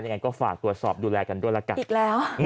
อย่างนั้นก็ฝากตรวจสอบดูแลกันด้วยล่ะครับ